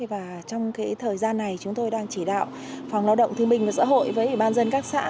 và trong thời gian này chúng tôi đang chỉ đạo phòng lao động thương minh và xã hội với ủy ban dân các xã